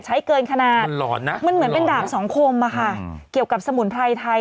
ใช้เกินขนาดมันเหมือนเป็นดาบสองคมอะค่ะเกี่ยวกับสมุนไพรไทย